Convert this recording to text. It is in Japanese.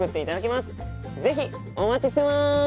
是非お待ちしてます。